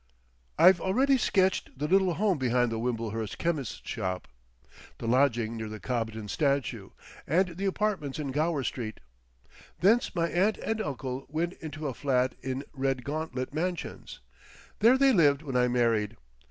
I've already sketched the little home behind the Wimblehurst chemist's shop, the lodging near the Cobden statue, and the apartments in Gower Street. Thence my aunt and uncle went into a flat in Redgauntlet Mansions. There they lived when I married.